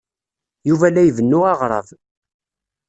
Yuba la ibennu aɣrab.